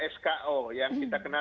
sko yang kita kenal